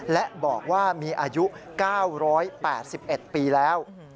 และบอกว่ามีอายุ๙๘๑ปีแล้ว